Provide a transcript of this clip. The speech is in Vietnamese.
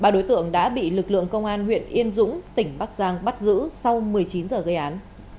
ba đối tượng đã bị lực lượng công an huyện yên dũng tỉnh bắc giang bắt giữ sau một mươi chín giờ gây án